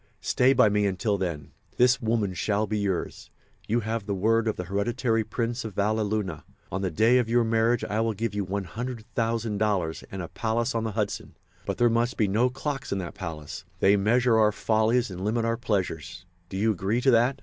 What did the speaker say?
Stay by me until then. This woman shall be yours. You have the word of the hereditary Prince of Valleluna. On the day of your marriage I will give you $100,000 and a palace on the Hudson. But there must be no clocks in that palace—they measure our follies and limit our pleasures. Do you agree to that?"